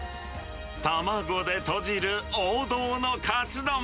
卵でとじる王道のかつ丼。